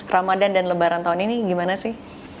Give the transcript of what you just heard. ramadan dan lebaran tahun ini gimana sih